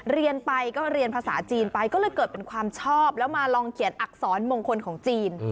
เรียนไปก็เรียนภาษาจีนไปก็เลยเกิดเป็นความชอบแล้วมาลองเขียนอักษรมงคลของจีน